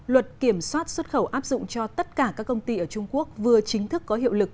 luật kiểm soát xuất khẩu áp dụng cho tất cả các công ty ở trung quốc vừa chính thức có hiệu lực